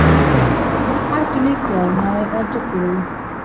هر کلیک یو نوی ارزښت جوړوي.